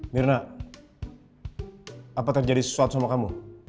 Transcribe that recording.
mirna apa terjadi sesuatu sama kamu